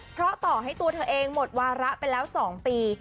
เพราะต่อให้ตัวเธอเองหมดวาระไปแล้ว๒ปี